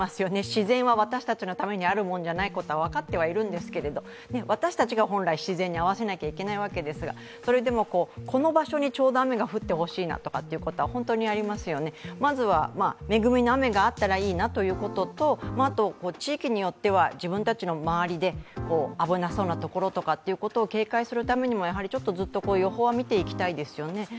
自然は私たちのためにあるものじゃないことは分かってはいるんですけど、私たちが本来、自然に合わせなきゃいけないわけですがでも、この場所にちょうど雨が降ってほしいということは本当にありますよね、まずは恵みの雨があったらいいなということと地域によっては自分たちの周りで危なそうなところとかを警戒するためにも、ずっと予報は見ていきたいですよね。